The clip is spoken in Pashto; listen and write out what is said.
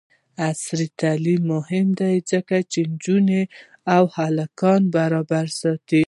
عصري تعلیم مهم دی ځکه چې د نجونو او هلکانو برابري ساتي.